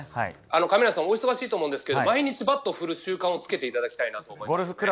亀梨さん、お忙しいと思うんですけど毎日バットを振る習慣をつけていただきたいなと思います。